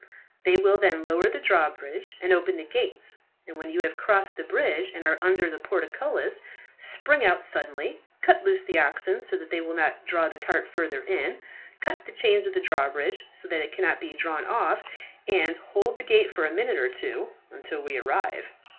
They will then lower the drawbridge and open the gates; and when you have crossed the bridge and are under the portcullis, spring out suddenly, cut loose the oxen so that they will not draw the cart further in, cut the chains of the drawbridge so that it cannot be drawn off, and hold the gate for a minute or two until we arrive."